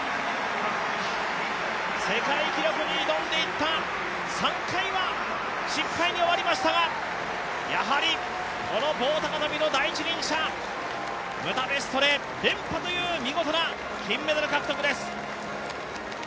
世界記録に挑んでいった３回は失敗に終わりましたがやはりこの棒高跳の第一人者、ブダペストで連覇という見事な金メダル獲得です。